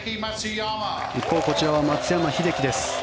一方、こちらは松山英樹です。